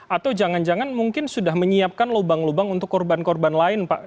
atau jangan jangan mungkin sudah menyiapkan lubang lubang untuk korban korban lain pak